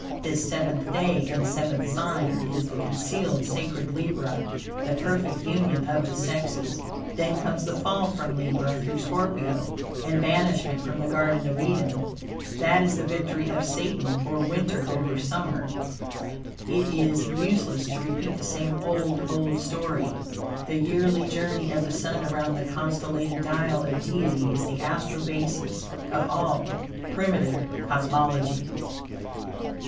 This seventh day and seventh sign is the concealed sacred Libra the perfect union of the sexes. Then comes the fall from Libra, through Scorpio, and banishment from the Garden of Eden. That is the victory of Satan, or Winter, over Summer, etc. It is useless to repeat the same old, old story. The yearly journey of the Sun around the constellated dial of Deity is the Astro basis of all primitive cosmology.